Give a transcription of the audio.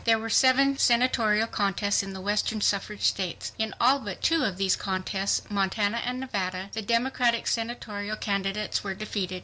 There were seven senatorial contests in the western suffrage states. In all but two of these contests—Montana and Nevada—the Democratic Senatorial candidates were defeated.